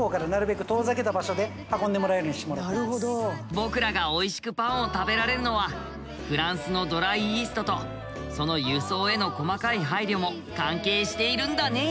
僕らがおいしくパンを食べられるのはフランスのドライイーストとその輸送への細かい配慮も関係しているんだね。